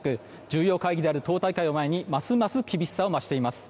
重要会議である党大会を前にますます厳しさを増しています。